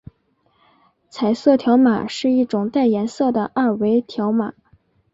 彩色条码是一种带颜色的二维条码。